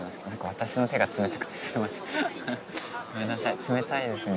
私の手が冷たくてすいません。